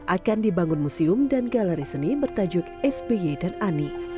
akan dibangun museum dan galeri seni bertajuk sby dan ani